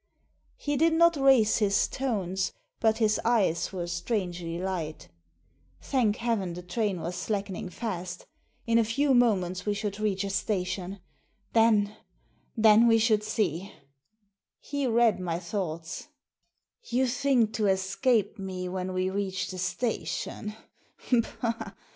He did not raise his tones, but his eyes were strangely light Thank heaven, the train was slack ening fast In a few moments we should reach a station. Then — then we should see ! He read my thoughts. Digitized by VjOOQIC 86 THE SEEN AND THE UNSEEN "You think to escape me when we reach the station.